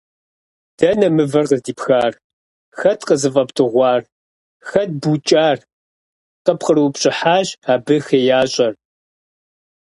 - Дэнэ мывэр къыздипхар? Хэт къызыфӀэбдыгъуар? Хэт букӀар? - къыпкърыупщӀыхьащ абы хеящӀэр.